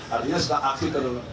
artinya setelah aksi